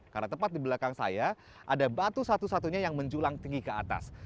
karena tepat di belakang saya ada batu satu satunya yang menjulang tinggi ke atas